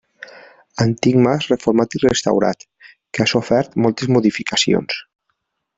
Antic mas reformat i restaurat, que ha sofert moltes modificacions.